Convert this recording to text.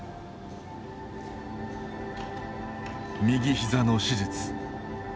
右ひざの手術。